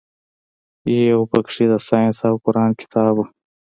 يو پکښې د ساينس او قران کتاب و.